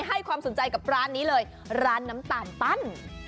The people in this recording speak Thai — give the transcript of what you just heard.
ให้ความสนใจกับร้านนี้เลยร้านน้ำตาลปั้น